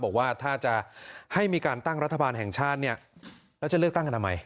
บอกว่าถ้าจะให้มีการตั้งรัฐบาลแห่งชาติเนี่ยแล้วจะเลือกตั้งกันทำไม